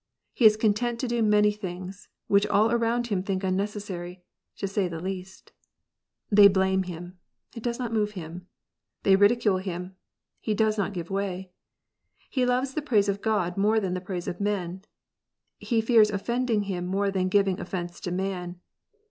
He is content to do many things which all around him think unnecessary, to say the least. (;They blame him : it does not move him. They ridicule him : he does not give way. He loves the praise of God more than the praise of man. He fears offending Him more than giving offence to man.